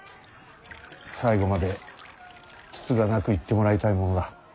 最後までつつがなくいってもらいたいものだ。